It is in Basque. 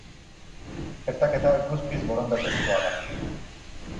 Txertaketa guztiz borondatezkoa da.